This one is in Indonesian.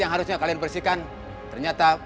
yang harusnya kalian bersihkan ternyata